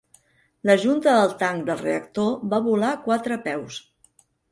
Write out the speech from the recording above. La junta del tanc del reactor va volar quatre peus.